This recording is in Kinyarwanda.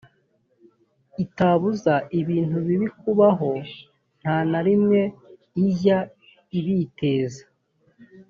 itabuza ibintu bibi kubaho nta na rimwe ijya ibiteza